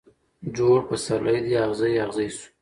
جوړ پسرلی دي اغزی اغزی سو